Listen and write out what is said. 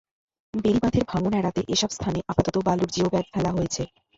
বেড়িবাঁধের ভাঙন এড়াতে এসব স্থানে আপাতত বালুর জিও ব্যাগ ফেলা হয়েছে।